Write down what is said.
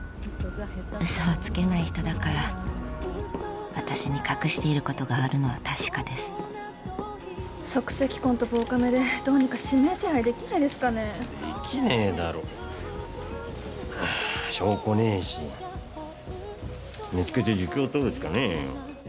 嘘はつけない人だから私に隠していることがあるのは確かです足跡痕と防カメでどうにか指名手配できないですかねできねえだろはあ証拠ねえし見つけて自供とるしかねえよ